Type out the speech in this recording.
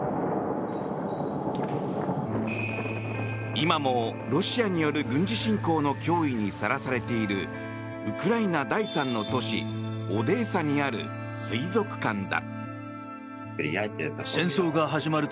今もロシアによる軍事侵攻の脅威にさらされているウクライナ第３の都市オデーサにある水族館だ。